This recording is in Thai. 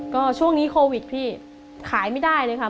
ก็ช่วงนี้โควิดพี่ขายไม่ได้เลยค่ะ